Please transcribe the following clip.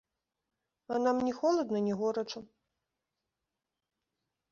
А нам ні холадна, ні горача.